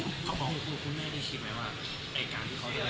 เขาบอกลูกคุณแม่ได้ใช่ไหมว่า